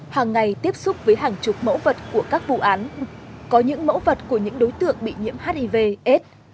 hàng ngày tiếp xúc với hàng chục mẫu vật của các vụ án có những mẫu vật của những đối tượng bị nhiễm hiv aids